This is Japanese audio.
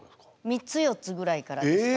３つ４つぐらいからですか。